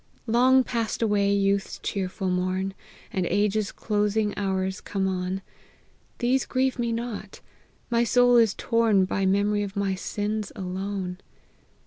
Long passed away youth's cheerful morn, And age's closing hours come on These grieve me not my soul is torn By memory of my sins alone.